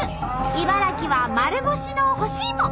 茨城は丸干しの干しいも。